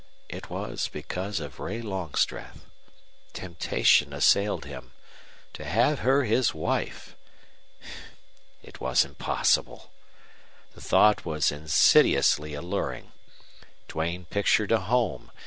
It was because of Ray Longstreth. Temptation assailed him. To have her his wife! It was impossible. The thought was insidiously alluring. Duane pictured a home.